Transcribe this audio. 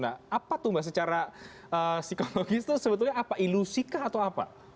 nah apa tuh mbak secara psikologis itu sebetulnya apa ilusi kah atau apa